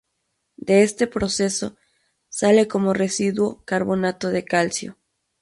De este proceso, sale como residuo carbonato de calcio.